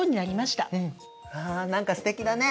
うわ何かすてきだね。